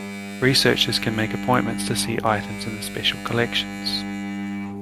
Researchers can make appointments to see items in the special collections.